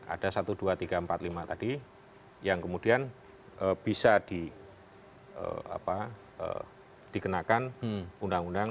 ada satu dua tiga empat lima tadi yang kemudian bisa dikenakan undang undang